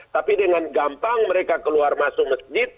tapi dengan gampang mereka keluar masuk masjid